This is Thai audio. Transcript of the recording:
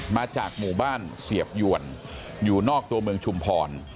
มาจากหมู่บ้านเสียบยวนอยู่นอกตัวเมืองชุมพร